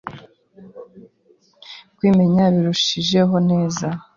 kwimenya birushijeho neza